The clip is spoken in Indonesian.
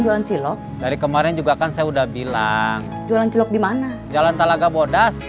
jualan cilok dari kemarin juga kan saya udah bilang jualan celok di mana jalan talaga bodas